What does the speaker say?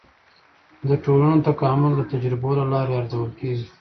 د ټولنو تکامل د تجربو له لارې ارزول کیږي.